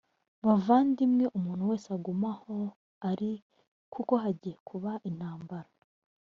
bavandimwe umuntu wese agume aho ari kuko hagiye kuba intambara